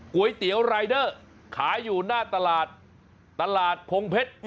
ก๋วยเตี๋ยวรายเดอร์ขายอยู่หน้าตลาดตลาดพงเพชร